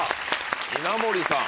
稲森さん。